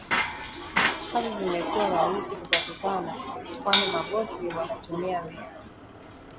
kazi zimekuwa rahisi kupatikana kwani mabosi wanatumia mbinu